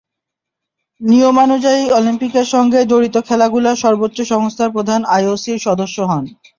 নিয়মানুযায়ী অলিম্পিকের সঙ্গে জড়িত খেলাগুলোর সর্বোচ্চ সংস্থার প্রধান আইওসির সদস্য হন।